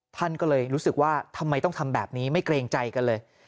ท่านก็เลยรู้สึกว่าทำไมต้องทำแบบนี้ไม่เกรงใจกันเลย